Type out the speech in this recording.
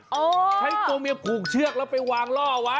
ใช้ตัวเมียผูกเชือกแล้วไปวางล่อไว้